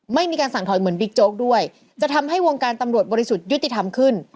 ไม่มีการสั่งถอยเหมือนบิ๊กโจ๊กด้วยจะทำให้วงการตำรวจบริสุทธิ์ยุติธรรมขึ้น